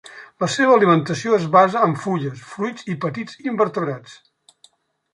La seva alimentació es basa en fulles, fruits i petits invertebrats.